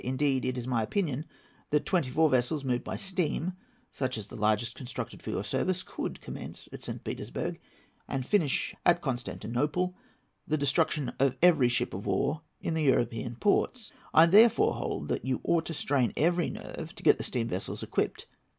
Indeed, it is my opinion that twenty four vessels moved by steam (such as the largest constructed for your service) could commence at St. Petersburg, and finish at Constantinople, the destruction of every ship of war in the European ports. I therefore hold that you ought to strain every nerve to get the steam vessels equipped.